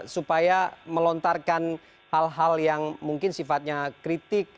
supaya melontarkan hal hal yang mungkin sifatnya kritik